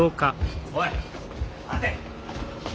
おい待て！